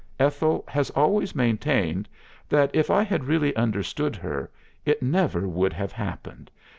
"Ethel has always maintained that if I had really understood her, it never would have happened.